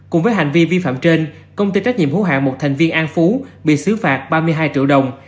cùng với hành vi vi phạm trên công ty trách nhiệm hữu hạng một thành viên an phú bị xứ phạt ba mươi hai triệu đồng